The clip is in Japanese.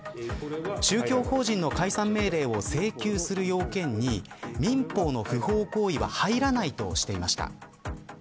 宗教法人の解散命令を請求する要件に民法の不法行為は入らないとしていました。